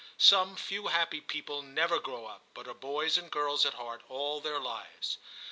Some few happy people never grow up, but are boys and girls at heart CHAP. V TIM 83 all their lives.